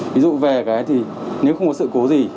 ví dụ về cái thì nếu không có sự cố gì